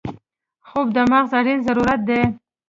خوب د مغز اړین ضرورت دی